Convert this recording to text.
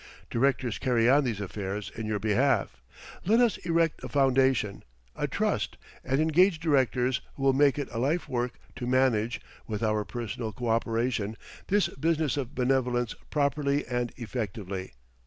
Directors carry on these affairs in your behalf. Let us erect a foundation, a Trust, and engage directors who will make it a life work to manage, with our personal coöperation, this business of benevolence properly and effectively.